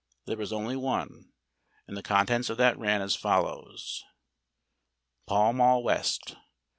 There was only one; and the contents of that ran as follow:— "_Pall Mall West.